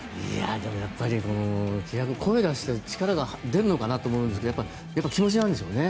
でも、気迫声を出して力が出るのかなと思うんですが気持ちなんでしょうね。